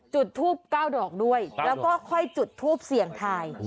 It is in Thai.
จุดทูบ๙ดอกด้วยแล้วก็ค่อยจุดทูปเสี่ยงทาย